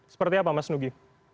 seperti apa mas dugi